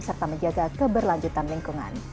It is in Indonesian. serta menjaga keberlanjutan lingkungan